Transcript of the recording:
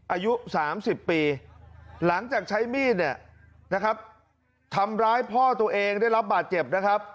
อายุ๓๐ปีหลังจากใช้มีดเนี่ยนะครับทำร้ายพ่อตัวเองได้รับบาดเจ็บนะครับ